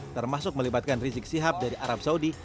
termasuk melibatkan rizik sihab dari arab saudi